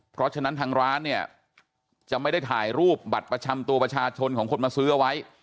เพราะฉะนั้นทางร้านเนี่ยจะไม่ได้ถ่ายรูปบัตรประจำตัวประชาชนของคนมาซื้อเอาไว้